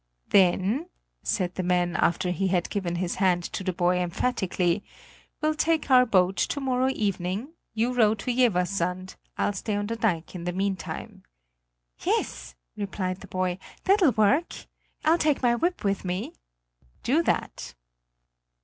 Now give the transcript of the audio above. Then," said the man after he had given his hand to the boy emphatically, "we'll take our boat to morrow evening; you row to Jeverssand; I'll stay on the dike in the meantime." "Yes," replied the boy, "that'll work! I'll take my whip with me." "Do that."